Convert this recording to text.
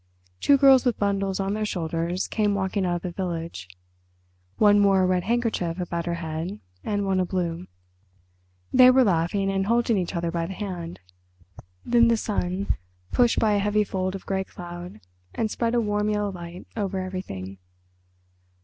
Two girls with bundles on their shoulders came walking out of the village—one wore a red handkerchief about her head and one a blue. They were laughing and holding each other by the hand. Then the sun pushed by a heavy fold of grey cloud and spread a warm yellow light over everything.